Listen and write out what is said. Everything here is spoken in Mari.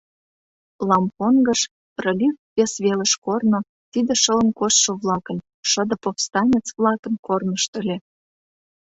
Лампонгыш, пролив вес велыш корно — тиде шылын коштшо-влакын, шыде повстанец-влакын корнышт ыле.